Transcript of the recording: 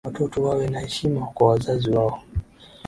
Watoto wawe na heshima kwa wazazi wao.